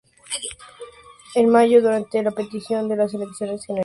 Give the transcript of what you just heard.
En mayo, durante la repetición de las elecciones generales, fue elegido diputado por Granada.